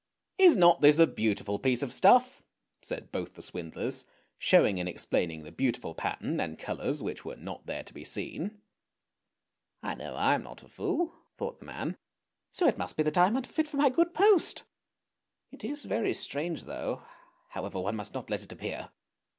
" Is not this a beautiful piece of stuff? " said both the swindlers, showing and explaining the beautiful pattern and colours which were not there to be seen. " I know I am not a fool! " thought the man, " so it must be that I am unfit for my good post ! It is very strange though ! however one must not let it appear!